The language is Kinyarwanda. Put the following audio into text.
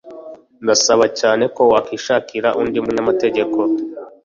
Ndasaba cyane ko wakwishakira undi munyamategeko